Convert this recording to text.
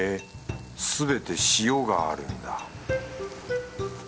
すべて塩があるんだ